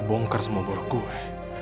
ngebongkar semua borok gue